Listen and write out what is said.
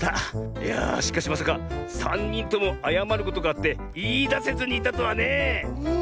いやしかしまさかさんにんともあやまることがあっていいだせずにいたとはね。うん。